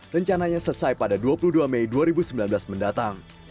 rencananya selesai pada dua puluh dua mei dua ribu sembilan belas mendatang